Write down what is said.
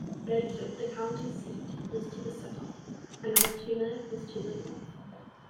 Bedford, the county seat, is to the south, and Altoona is to the north.